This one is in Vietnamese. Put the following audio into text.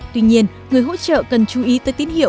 tuy nhiên người hỗ trợ cần chú ý tới tín hiệu